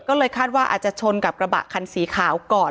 ก็เลยคาดว่าอาจจะชนกับกระบะคันสีขาวก่อน